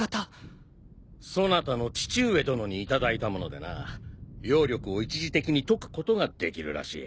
そなたの父上殿に頂いた物でな妖力を一時的に解くことができるらしい。